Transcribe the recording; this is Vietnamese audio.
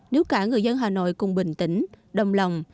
nếu cả người dân hà nội cùng bình tĩnh đồng lòng